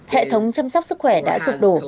hệ thống chăm sóc sức khỏe đã sụp đổ